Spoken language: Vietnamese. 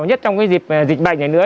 nhất trong cái dịch bệnh này nữa